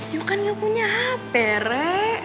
yuh kan gak punya hape re